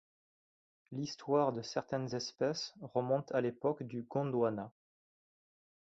L'histoire de certaines espèces remonte à l'époque du Gondwana.